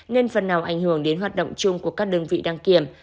nên phần nào ảnh hưởng đến hoạt động chung của các đơn vị đăng kiểm